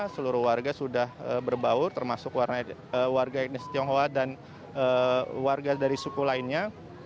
seluruh warga sudah berbaur termasuk warga etnis tionghoa dan warga dari suku lainnya